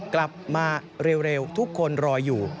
กลับมาเร็วทุกคนรออยู่